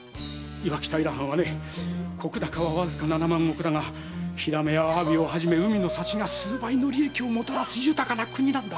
磐城平藩はね石高はわずか七万石だがヒラメやアワビをはじめ海の幸が数倍の利益をもたらす豊かな国なんだ。